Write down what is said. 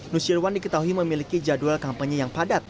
nusyirwan diketahui memiliki jadwal kampanye yang padat